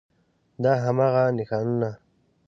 دا هماغه نښانونه